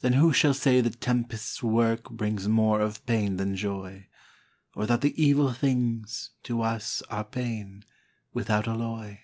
Then who shall say the tempest's work Brings more of pain than joy; Or that the evil things, to us Are pain, without alloy?